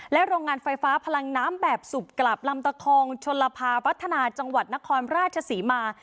โรงงานไฟฟ้าพลังน้ำแบบสุบกลับลำตะคองชนลภาวัฒนาจังหวัดนครราชศรีมา